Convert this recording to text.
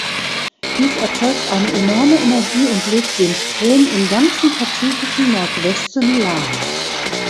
Dies erzeugt eine enorme Energie und legt den Strom im ganzen pazifischen Nordwesten lahm.